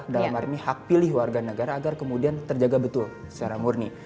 dalam hari ini hak pilih warga negara agar kemudian terjaga betul secara murni